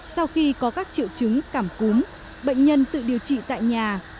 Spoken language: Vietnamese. sau khi có các triệu chứng cảm cúm bệnh nhân tự điều trị tại nhà